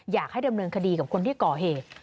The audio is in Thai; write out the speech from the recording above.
อยากให้ดำเนินคดีกับคนที่ก่อเหตุ